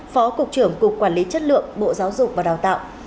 phó cục trưởng cục quản lý chất lượng bộ giáo dục và đào tạo